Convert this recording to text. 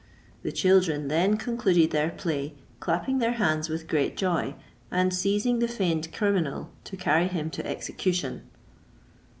The children then concluded their play, clapping their hands with great joy, and seizing the feigned criminal to carry him to execution.